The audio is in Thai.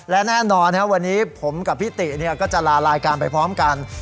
และแน่นอนวันนี้ผมกับพี่ติก็จะลารายการไปพร้อมกัน